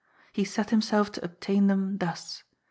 He set himself to obtain them thus.